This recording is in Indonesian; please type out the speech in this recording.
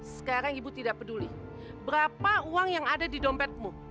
sekarang ibu tidak peduli berapa uang yang ada di dompetmu